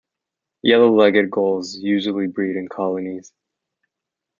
Yellow-legged gulls usually breed in colonies.